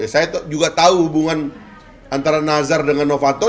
saya juga tahu hubungan antara nazar dengan novanto